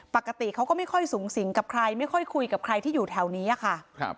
ปกติเขาก็ไม่ค่อยสูงสิงกับใครไม่ค่อยคุยกับใครที่อยู่แถวนี้อะค่ะ